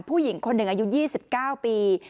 ผู้หญิงคนหนึ่งอายุ๒๙ปี